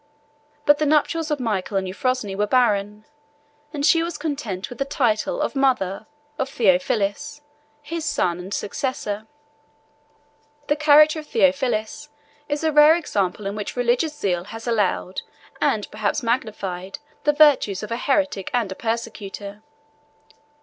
But the nuptials of Michael and Euphrosyne were barren; and she was content with the title of mother of Theophilus, his son and successor. The character of Theophilus is a rare example in which religious zeal has allowed, and perhaps magnified, the virtues of a heretic and a persecutor.